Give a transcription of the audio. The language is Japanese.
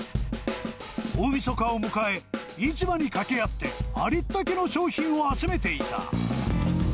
大みそかを迎え、市場に掛け合って、ありったけの商品を集めていた。